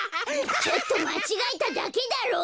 ちょっとまちがえただけだろ！